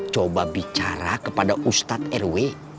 coba bicara kepada ustadz rw